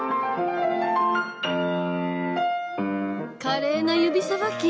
華麗な指さばき！